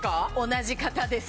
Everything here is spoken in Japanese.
同じ方です。